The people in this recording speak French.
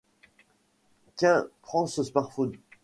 Tiens, prends ce smartphone.